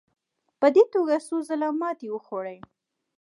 په دې توګه څو ځله ماتې وخوړې.